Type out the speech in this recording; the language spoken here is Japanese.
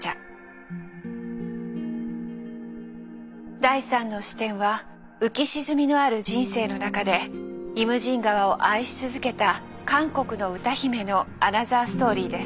第３の視点は浮き沈みのある人生の中で「イムジン河」を愛し続けた韓国の歌姫のアナザーストーリーです。